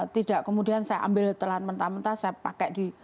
tidak kemudian saya ambil telan mentah mentah saya pakai di